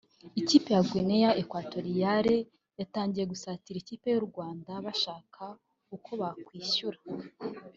Ikipe ya Guinea Equatorial yatangiye gusatira ikipe y’u Rwanda bashaka uko bakwishyura